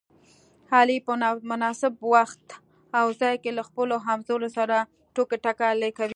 علي په مناسب وخت او ځای کې له خپلو همځولو سره ټوکې ټکالې کوي.